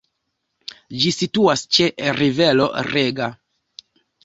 Ĝi situas ĉe rivero Rega.